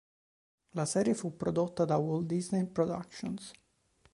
La serie fu prodotta da Walt Disney Productions.